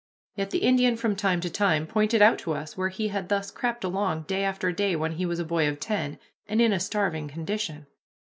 Yet the Indian from time to time pointed out to us where he had thus crept along day after day when he was a boy of ten, and in a starving condition.